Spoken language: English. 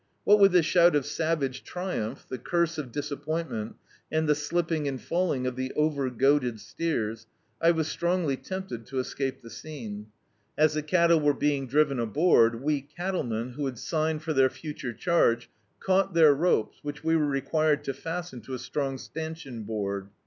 What with the shout of savage triumph, the curse of disappointment, and the slipping and falling of the over goaded steers, I was strongly tempted to escape the scene. As the cattle were be ing driven aboard, we cattlemen, who had signed for their future charge, caught their ropes, which we were required to fasten to a strong stanchion board.